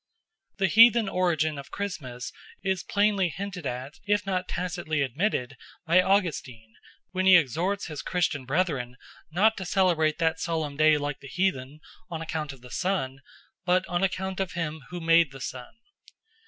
The heathen origin of Christmas is plainly hinted at, if not tacitly admitted, by Augustine when he exhorts his Christian brethren not to celebrate that solemn day like the heathen on account of the sun, but on account of him who made the sun.